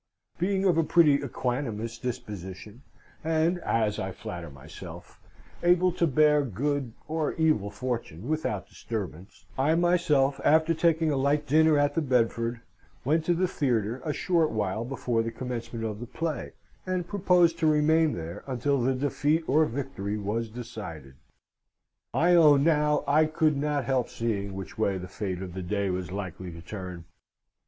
Being of a pretty equanimous disposition, and, as I flatter myself, able to bear good or evil fortune without disturbance, I myself, after taking a light dinner at the Bedford, went to the theatre a short while before the commencement of the play, and proposed to remain there, until the defeat or victory was decided. I own now, I could not help seeing which way the fate of the day was likely to turn.